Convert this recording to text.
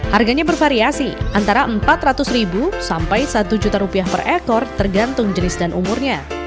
harganya bervariasi antara empat ratus ribu sampai satu juta rupiah per ekor tergantung jenis dan umurnya